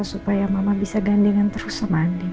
supaya mama bisa gandengan terus sama anding